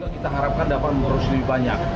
kita harapkan dapat mengurus lebih banyak